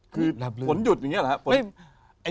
คือฝนหยุดอย่างเงี้ยล้ะ